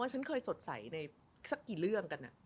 ฉันเคยสดใสในสักกี่เรื่องกัน